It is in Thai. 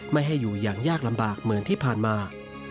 ไม่ให้อยู่อย่างยากลำบากเหมือนที่ผ่านมา